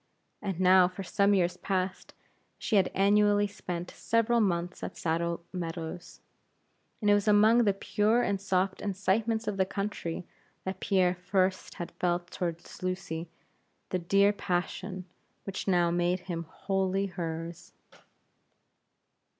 And now, for some years past, she had annually spent several months at Saddle Meadows; and it was among the pure and soft incitements of the country that Pierre first had felt toward Lucy the dear passion which now made him wholly hers.